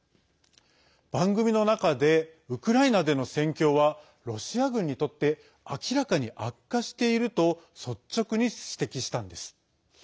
番組の中でウクライナでの戦況はロシア軍にとって明らかに悪化していると率直に指摘したんです。